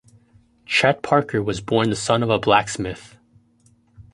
Chet Parker was born the son of a blacksmith.